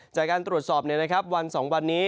จากการตรวจสอบวัน๒วันนี้